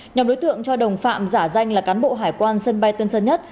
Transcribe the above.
nhóm đối tượng cho đồng phạm giả danh là cán bộ hải quan sân bay tân sơn nhất